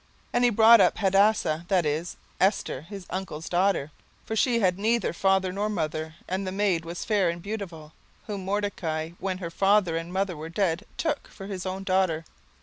17:002:007 And he brought up Hadassah, that is, Esther, his uncle's daughter: for she had neither father nor mother, and the maid was fair and beautiful; whom Mordecai, when her father and mother were dead, took for his own daughter.